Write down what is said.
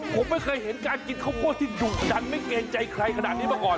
ผมไม่เคยเห็นการกินข้าวโพดที่ดุดันไม่เกรงใจใครขนาดนี้มาก่อน